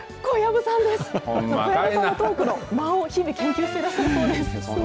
小籔さんのトークの間を日々研究しているそうです。